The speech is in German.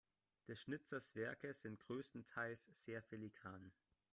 Des Schnitzers Werke sind größtenteils sehr filigran.